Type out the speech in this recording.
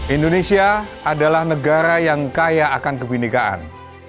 indonesia adalah negara yang kaya akan kebinekaan